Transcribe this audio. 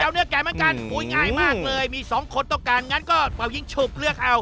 อปุ๊ยน่ายมากเลยมี๒ไปตรงกันป่าวยิงชุบเลือกเอา